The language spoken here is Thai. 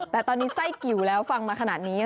แต่ตอนนี้ไส้กิ๋วแล้วฟังมาขนาดนี้